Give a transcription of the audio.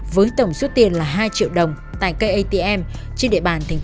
với tổng số tiền là hai triệu đồng tại cây atm trên địa bàn tp vĩnh yên